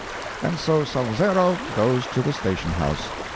And so Salcero goes to the station house.